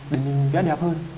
để mình ghé đẹp hơn